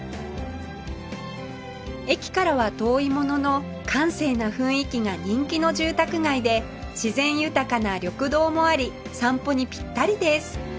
駅からは遠いものの閑静な雰囲気が人気の住宅街で自然豊かな緑道もあり散歩にピッタリです